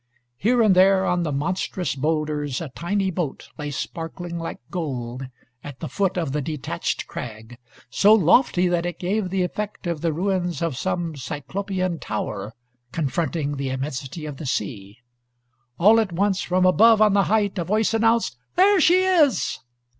Here and there, on the monstrous bowlders, a tiny boat lay sparkling like gold at the foot of the detached crag, so lofty that it gave the effect of the ruins of some Cyclopean tower, confronting the immensity of the sea. All at once, from above on the height, a voice announced, "There she is."